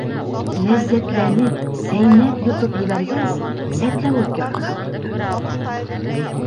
Ләззәтләнеп, сәйнәп йотоп ебәргәс, сәтләүек ярырға тотондо.